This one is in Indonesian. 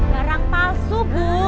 barang palsu bu